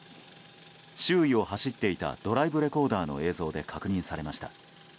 周囲を走っていたドライブレコーダーの映像で確認されました。